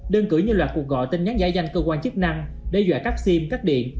đơn cử như loạt cuộc gọi tên nhắn giải danh cơ quan chức năng đe dọa các sim các điện